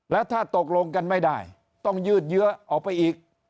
แล้วถ้าตกลงกันไม่ได้ต้องยืดเยื้อออกไปอีก